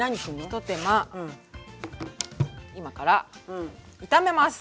一手間今から炒めます！